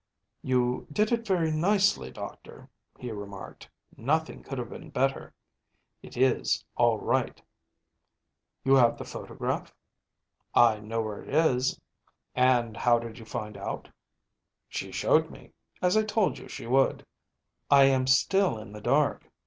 “You did it very nicely, Doctor,‚ÄĚ he remarked. “Nothing could have been better. It is all right.‚ÄĚ “You have the photograph?‚ÄĚ “I know where it is.‚ÄĚ “And how did you find out?‚ÄĚ “She showed me, as I told you she would.‚ÄĚ “I am still in the dark.